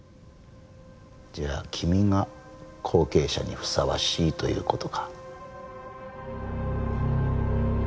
じゃあ君が後継者にふさわしいという事か。